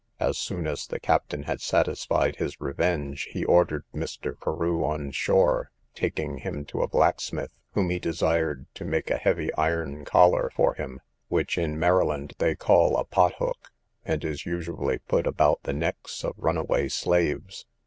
As soon as the captain had satisfied his revenge, he ordered Mr. Carew on shore, taking him to a blacksmith, whom he desired to make a heavy iron collar for him, which in Maryland they call a pot hook, and is usually put about the necks of runaway slaves.